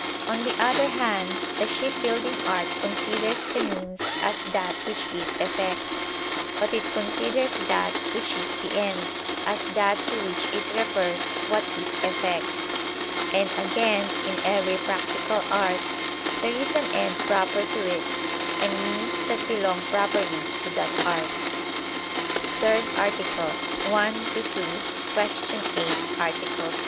On the other hand, the ship building art considers the means as that which it effects; but it considers that which is the end, as that to which it refers what it effects. And again, in every practical art there is an end proper to it and means that belong properly to that art. ________________________ THIRD ARTICLE [I II, Q. 8, Art.